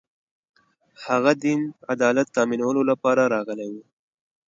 هغه دین عدالت تأمینولو لپاره راغلی و